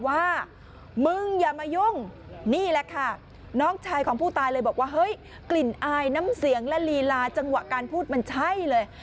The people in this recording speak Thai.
อายน้ำเสียงละลีลาจังหวะการพูดมันใช่เลย